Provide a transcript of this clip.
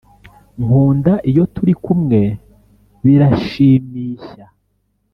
Nkunda iyo turi kumwe birashimishya